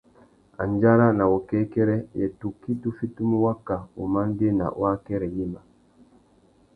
Andjara na wukêkêrê : yê tukí tu fitimú waka wumandēna wa akêrê yïmá ?